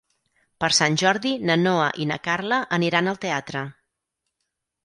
Per Sant Jordi na Noa i na Carla aniran al teatre.